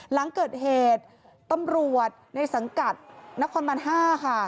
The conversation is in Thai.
หลังเกิดเหตุตำรวจในสังกัดนครบัน๕ค่ะ